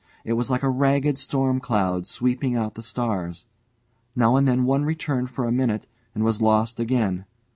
It was like a ragged storm cloud sweeping out the stars. Now and then one returned for a minute, and was lost again.